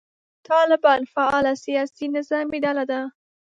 طالبان فعاله سیاسي نظامي ډله ده.